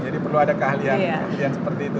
jadi perlu ada keahlian seperti itu